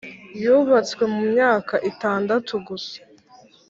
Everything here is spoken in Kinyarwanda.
yubatswe mu myaka itandatu gusa